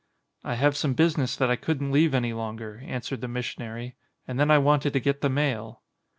"I have some business that I couldn't leave any longer," answered the missionary, "and then I wanted to get the mail."